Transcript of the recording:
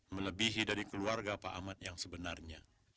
melebihi dari keluarga pak ahmad yang sebenarnya